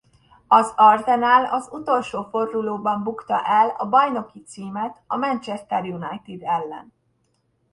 Az Arsenal az utolsó fordulóban bukta el a bajnoki címet a Manchester United ellen.